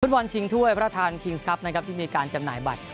บอลชิงถ้วยพระทานคิงส์ครับนะครับที่มีการจำหน่ายบัตร